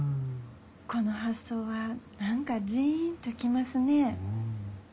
この発想は何かジンと来ますね。